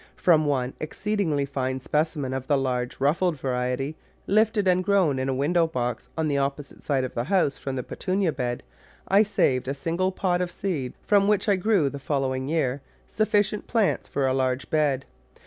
From one exceedingly fine speci men of the large ruffled variety, lifted and grown in a window box on the opposite side of the house from the Petunia bed, I saved a single pod of seed from which I grew, the following year, sufficient plants for a large bed.